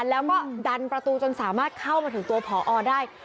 แล้วก็ดันประตูจนสามารถเข้ามาถึงตัวผอได้